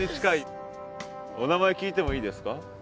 お名前聞いてもいいですか？